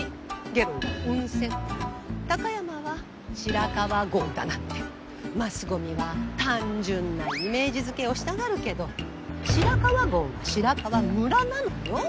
高山は白川郷だなんてマスゴミは単純なイメージづけをしたがるけど白川郷は白川村なのよ。